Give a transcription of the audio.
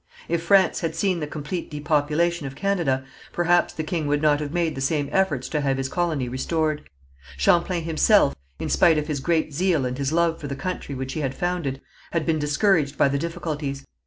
If France had seen the complete depopulation of Canada, perhaps the king would not have made the same efforts to have his colony restored. Champlain himself, in spite of his great zeal and his love for the country which he had founded, had been discouraged by the difficulties.